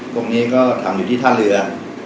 ตรงนี้ก็ทำอยู่ที่ท่าเรือ